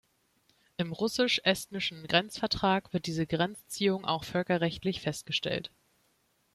Im russisch-estnischen Grenzvertrag wird diese Grenzziehung auch völkerrechtlich festgestellt.